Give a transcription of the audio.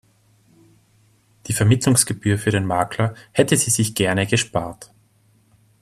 Die Vermittlungsgebühr für den Makler hätte sie sich gerne gespart.